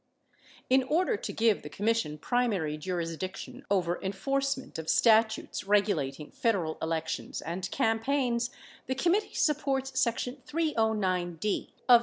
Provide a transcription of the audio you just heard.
In order to give the Commission primary jurisdiction over enforce ment of statutes regulating Federal elections and campaigns the Committee supports section 309(d) of S.